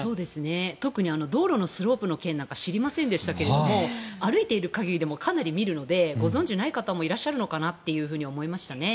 特に道路のスロープの件なんか知りませんでしたけど歩いている限りでもかなり見るのでご存じない方も多いのかなと思いましたね。